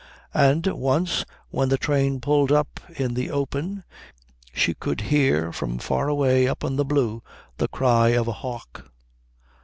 And once, when the train pulled up in the open, she could hear from far away up in the blue the cry of a hawk.